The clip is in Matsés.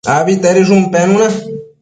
Abitedishun penuna